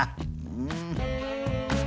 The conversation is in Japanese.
うん。